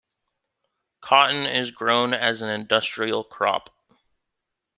Cotton is grown as an industrial crop.